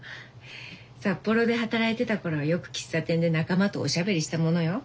札幌で働いてたころはよく喫茶店で仲間とおしゃべりしたものよ。